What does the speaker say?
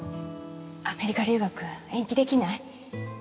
アメリカ留学延期できない？